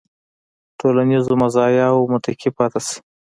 ټولنیزو مزایاوو متکي پاتې شي.